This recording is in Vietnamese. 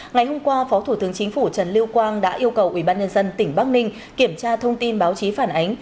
ngày hôm qua phó thủ tướng chính phủ trần lưu quang đã yêu cầu ubnd tỉnh bắc ninh kiểm tra thông tin báo chí phản ánh